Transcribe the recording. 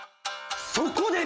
そこで！